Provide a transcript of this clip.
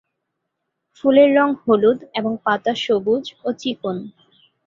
ফুলের রং হলুদ এবং পাতা সবুজ ও চিকন।